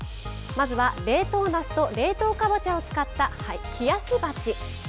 まずは冷凍なすと冷凍かぼちゃを使った冷やし鉢。